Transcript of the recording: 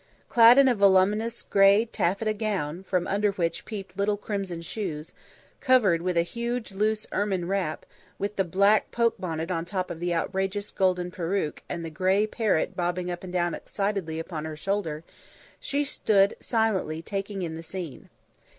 Clad in a voluminous grey taffeta gown, from under which peeped little crimson shoes; covered with a huge loose ermine wrap, with the black poke bonnet on top of the outrageous golden perruque and the grey parrot bobbing up and down excitedly upon her shoulder, she stood silently taking in the scene.